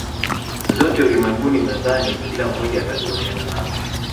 zote ulimwenguni Nadhani kila mmoja atakubaliana nami